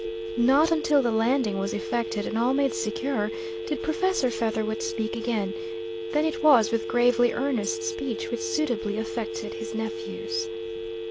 Not until the landing was effected and all made secure, did Professor Featherwit speak again. Then it was with gravely earnest speech which suitably affected his nephews.